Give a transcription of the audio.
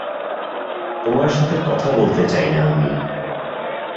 তোমার সাথে কথা বলতে চাই না আমি।